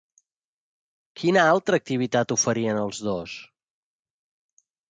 Quina altra activitat oferien els dos?